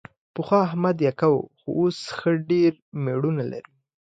پخوا احمد یکه و، خو اوس ښه ډېر مېړونه لري.